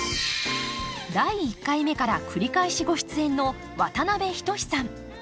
第１回目から繰り返しご出演の渡辺均さん。